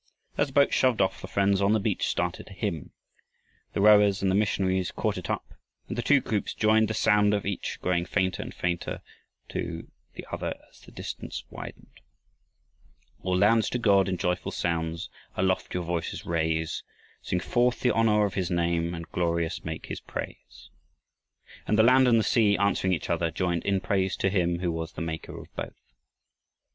As the boat shoved off the friends on the beach started a hymn. The rowers and the missionaries caught it up and the two groups joined, the sound of each growing fainter and fainter to the other as the distance widened. All lands to God in joyful sounds Aloft your voices raise, Sing forth the honor of his name, And glorious make his praise! And the land and the sea, answering each other, joined in praise to him who was the Maker of both.